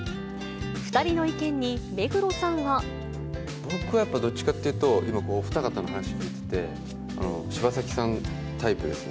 ２人の意見に目黒さんは。僕はやっぱどっちかというと、今、お二方の話聞いて、柴咲さんタイプですね。